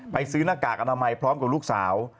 ซื้อหน้ากากอนามัยพร้อมกับลูกสาว